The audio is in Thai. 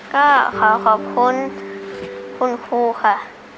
ก็ขอขอบคุณคุณครูค่ะ